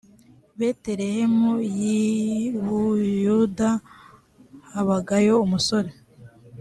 betelehemu y i buyuda habagayo umusore